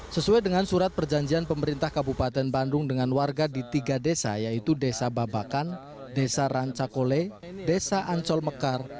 sesuai dengan surat perjanjian pemerintah kabupaten bandung dengan warga di tiga desa yaitu desa babakan desa rancakole desa ancol mekar